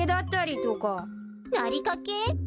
なりかけ？